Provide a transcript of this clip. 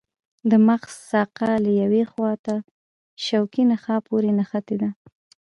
د مغز ساقه له یوې خواته شوکي نخاع پورې نښتې ده.